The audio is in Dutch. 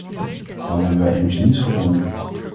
Dan hebben wij immers niets gewonnen.